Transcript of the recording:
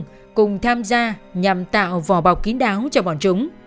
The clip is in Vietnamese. các người ở địa phương cùng tham gia nhằm tạo vò bọc kín đáo cho bọn chúng